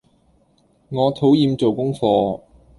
我討厭做功課